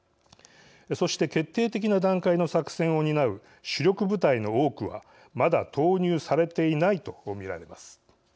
そして決定的な段階の作戦を担う主力部隊の多くはまだ投入されていないと見られます。